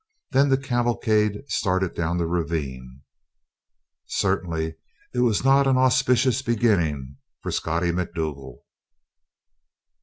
Then the cavalcade started down the ravine. Certainly it was not an auspicious beginning for Scottie Macdougal.